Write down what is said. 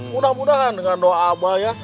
mudah mudahan dengan doa abah ya